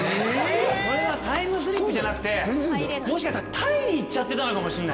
それはタイムスリップじゃなくてもしかしたらタイに行っちゃってたのかもしんない